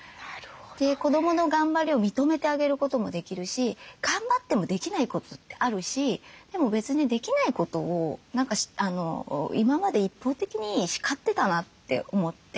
子どもの頑張りを認めてあげることもできるし頑張ってもできないことってあるしでも別にできないことを今まで一方的に叱ってたなって思って。